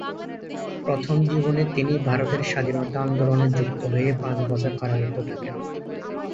প্রথম জীবনে তিনি ভারতের স্বাধীনতা আন্দোলনে যুক্ত হয়ে পাঁচ বছর কারারুদ্ধ থাকেন।